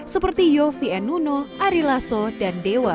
seperti youvian uno ari lasso dan dewa sembilan belas